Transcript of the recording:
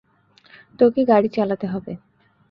তোকে গাড়ি চালাতে হবে।